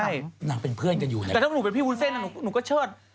อย่างนี้ดีกว่าหรือ